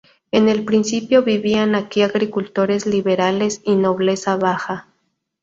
En el principio vivían aquí agricultores liberales y nobleza baja.